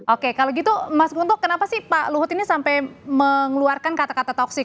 oke kalau gitu mas puntuk kenapa sih pak luhut ini sampai mengeluarkan kata kata toksik